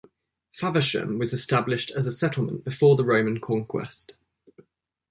Faversham was established as a settlement before the Roman conquest.